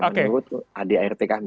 menurut adrt kami